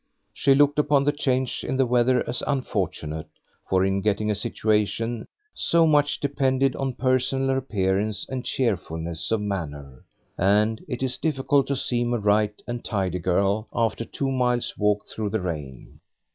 She looked upon the change in the weather as unfortunate, for in getting a situation so much depended on personal appearance and cheerfulness of manner; and it is difficult to seem a right and tidy girl after two miles' walk through the rain.